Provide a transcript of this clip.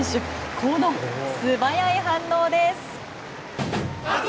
この素早い反応です。